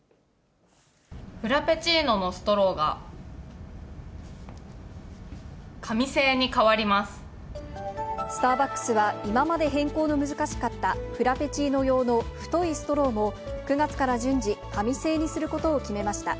フラペチーノのストローが、スターバックスは、今まで変更の難しかったフラペチーノ用の太いストローも、９月から順次、紙製にすることを決めました。